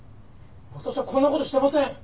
「私はこんな事していません！」